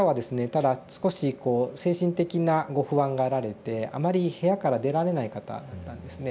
ただ少しこう精神的なご不安があられてあまり部屋から出られない方だったんですね。